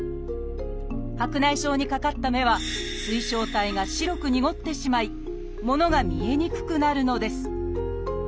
白内障にかかった目は水晶体が白くにごってしまい物が見えにくくなるのです。